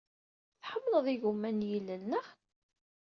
Tḥemmleḍ igumma n yilel, naɣ?